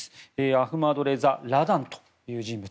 アフマドレザ・ラダンという人物。